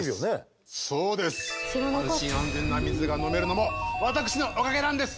安心安全な水が飲めるのも私のおかげなんです！